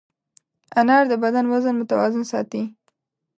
انار د بدن وزن متوازن ساتي.